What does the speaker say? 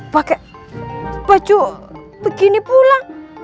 pakai baju begini pula